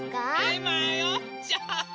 えまよっちゃう！